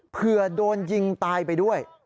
โดนยิงตายไปด้วย